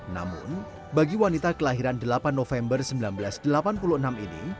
namun bagi wanita kelahiran delapan november seribu sembilan ratus delapan puluh enam ini